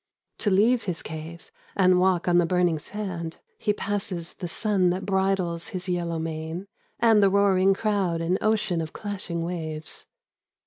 To leave his cave, and walk on the burning sand, He passes the sun that bridles his yellow mane, And the roaring crowd, an ocean of clashing waves.